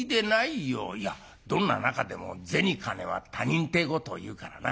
「いやどんな仲でも銭金は他人てえことをいうからな。